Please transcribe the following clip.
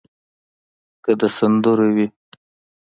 که د سندرو وي.